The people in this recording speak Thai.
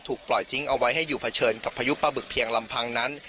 ปล่อยทิ้งเอาไว้ให้อยู่เผชิญกับพายุปลาบึกเพียงลำพังนั้น